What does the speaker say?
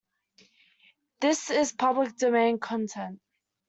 This is public domain content.